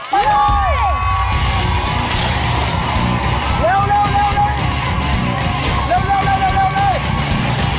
เร็วเร็วเร็วเร็วเลยเร็วเร็วเร็วเร็วเร็วเลย